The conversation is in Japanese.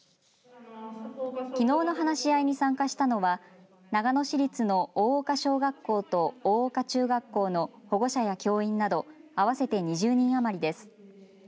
きのうの話し合いに参加したのは長野市立の大岡小学校と大岡中学校の保護者や教員など合わせて２０人余りです。